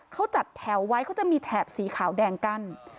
เขาจัดแถวไว้เขาจะมีแถบสีขาวแดงกั้น